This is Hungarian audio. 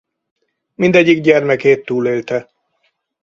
Mindegyik gyermekét túlélte.